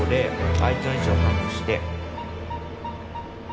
相手の位置を把握して